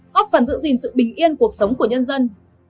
góp phần giữ gìn sự bình yên cuộc sống của nhân dân